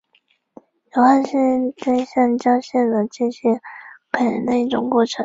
硫化是对橡胶性能进行改良的一种过程。